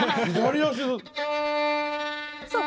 そう。